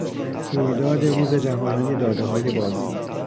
رویداد روز جهانی دادههای باز